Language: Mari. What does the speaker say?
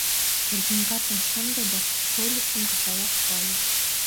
— Корзинкатым шынде да шольычым кычалаш кае.